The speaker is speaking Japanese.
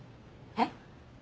えっ？